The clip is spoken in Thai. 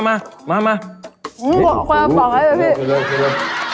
มันกระปร่างหลายเลยให้พี่